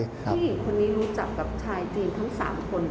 ผู้หญิงคนนี้รู้จักกับชายจีนทั้ง๓คน